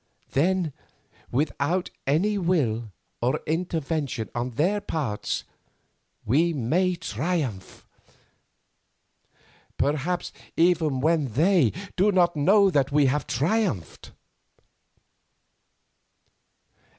Then without any will or any intervention on their parts, we may triumph, perhaps even when they do not know that we have triumphed."